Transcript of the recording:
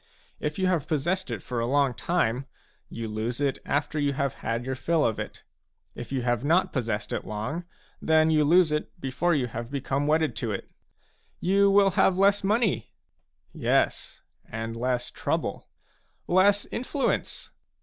If you have possessed it for a long time, you lose it after you have had your fill of it ; if you have not possessed it long, then you lose it before you have become wedded to it. " You will have less money. ,, Yes, and less trouble. "Less influence.